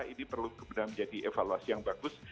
ini perlu kemudian menjadi evaluasi yang bagus